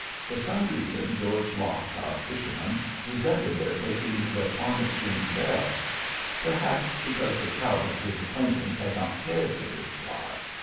For some reason, George Locke, our fisherman, resented their taking the Parmachene Belle. Perhaps because the trout of his acquaintance had not cared for this fly.